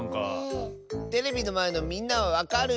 テレビのまえのみんなはわかる？